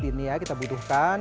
ini ya kita butuhkan